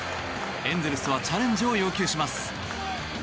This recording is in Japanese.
エンゼルスはチャレンジを要求します。